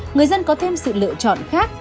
người dân có thêm sự lựa chọn khác